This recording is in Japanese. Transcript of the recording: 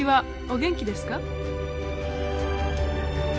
お元気ですか？」。